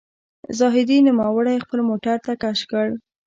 زاهدي نوموړی خپل موټر ته کش کړ.